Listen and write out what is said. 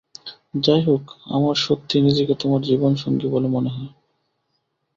যাইহোক, আমার সত্যিই নিজেকে তোমার জীবনসঙ্গী বলে মনে হয়।